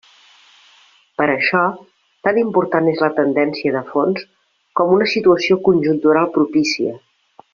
Per això, tan important és la tendència de fons com una situació conjuntural propícia.